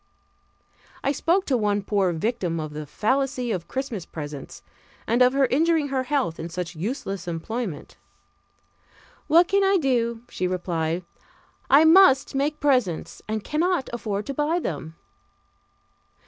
I spoke to one poor victim of the fallacy of Christmas presents, and of her injuring her health in such useless employment. "What can I do?" she replied, "I must make presents and cannot afford to buy them."